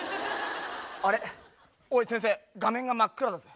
あれおい先生画面が真っ暗だぜ。